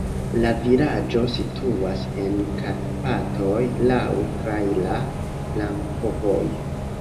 La vilaĝo situas en Karpatoj, laŭ traira flankovojo.